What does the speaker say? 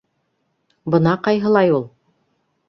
Бына ҡайһылай ул!